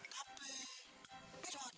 tapi besok aja